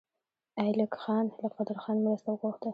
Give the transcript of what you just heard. ایلک خان له قدرخان مرسته وغوښته.